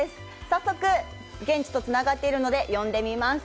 早速現地とつながっているので、呼んでみます。